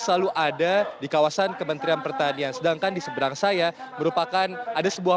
selalu ada di kawasan kementerian pertanian sedangkan di seberang saya merupakan ada sebuah